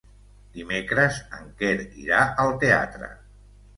Dimecres en Quer irà al teatre.